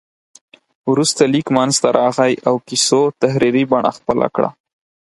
وروسته لیک منځته راغی او کیسو تحریري بڼه خپله کړه.